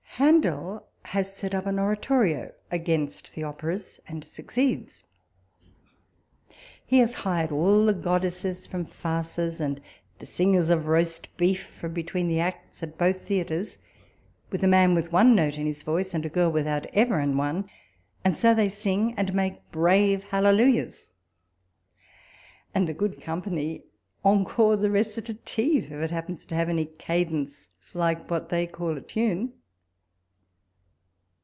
Handel has set up an Oratorio against the Operas, and succeeds. He has hired all the goddesses from farces and the singers of Jioo.si Brcf from between the acts at both theatres, with a man with one note in his voice, and a girl without ever an one ; and so they sing, and make brave hallelujahs ; and the good company encore the recitative, if it happens to have any cadence like what they call a tune.